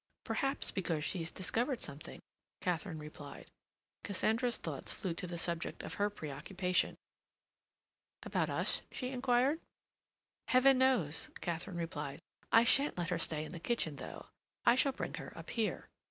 "Probably because she's discovered something," Katharine replied. Cassandra's thoughts flew to the subject of her preoccupation. "About us?" she inquired. "Heaven knows," Katharine replied. "I shan't let her stay in the kitchen, though. I shall bring her up here."